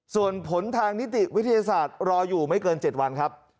ส่วนผลทางนิติวิทยาศาสตร์รออยู่ไม่เกิน๗วันครับ